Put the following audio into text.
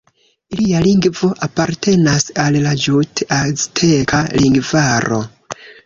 Ilia lingvo apartenas al la jut-azteka lingvaro.